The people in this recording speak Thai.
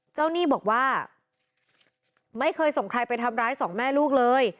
หนี้บอกว่าไม่เคยส่งใครไปทำร้ายสองแม่ลูกเลย